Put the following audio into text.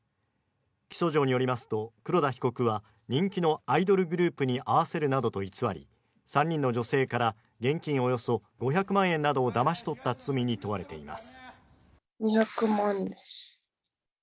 起訴状によりますと黒田被告は人気のアイドルグループに会わせるなどと偽り、３人の女性から現金およそ５００万円などをだまし取った罪に問われています。